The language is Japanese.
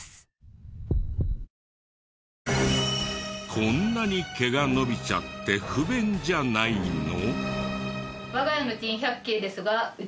こんなに毛が伸びちゃって不便じゃないの？